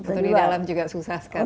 untuk di dalam juga susah sekarang